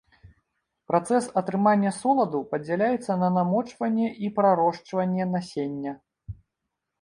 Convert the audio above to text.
Працэс атрымання соладу падзяляецца на намочванне і прарошчванне насення.